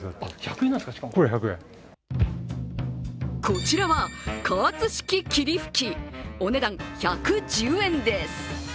こちらは加圧式霧吹き、お値段１１０円です。